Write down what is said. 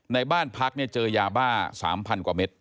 ในบ้านพักเจอยาบ้า๓๐๐๐กว่าเม็ด